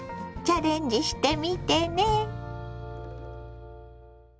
チャレンジしてみてね。